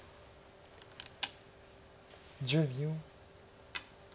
１０秒。